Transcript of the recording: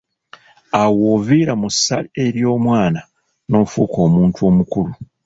Awo w'oviira mu ssa ery'omwana n'ofuuka omuntu omukulu.